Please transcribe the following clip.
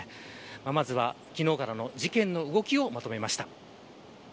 まずは、昨日からの事件の動きをまとめました。